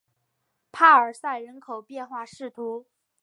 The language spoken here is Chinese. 帕尔塞人口变化图示